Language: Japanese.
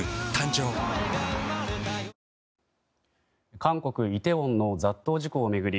韓国イテウォンの雑踏事故を巡り